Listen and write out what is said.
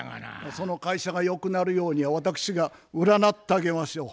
その会社がよくなるように私が占ってあげましょう。